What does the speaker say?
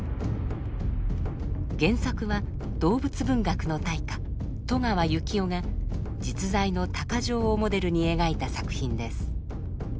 原作は動物文学の大家戸川幸夫が実在の鷹匠をモデルに描いた作品です。